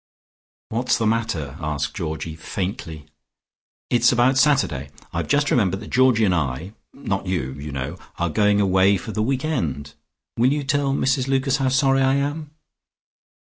"What's the matter?" asked Georgie faintly. "It's about Saturday. I've just remembered that Georgie and I not you, you know are going away for the weekend. Will you tell Mrs Lucas how sorry I am?"